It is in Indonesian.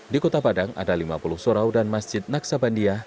di kota padang ada lima puluh surau dan masjid naksabandia